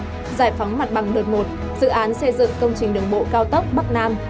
giải phóng mặt bằng đợt một dự án xây dựng công trình đường bộ cao tốc bắc nam